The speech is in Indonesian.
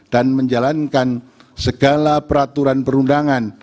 dan menjalankan segala peraturan perundangan